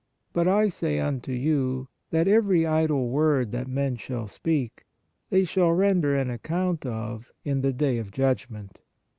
12:36. But I say unto you, that every idle word that men shall speak, they shall render an account for it in the day of judgment.